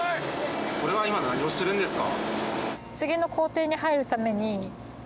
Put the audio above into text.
これは今何をしてるんですか？